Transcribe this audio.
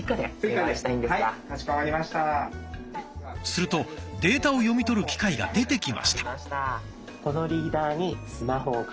するとデータを読み取る機械が出てきました。